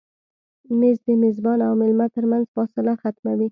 مېز د میزبان او مېلمه تر منځ فاصله ختموي.